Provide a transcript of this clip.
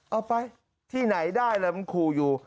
เอาไปที่ไหนได้แล้วมันขู่อยู่